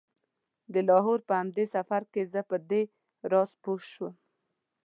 د لاهور په همدې سفر کې زه په دې راز پوی شوم.